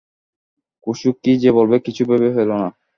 কুমু কী যে বলবে কিছুই ভেবে পেলে না।